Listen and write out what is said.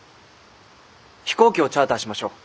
飛行機をチャーターしましょう。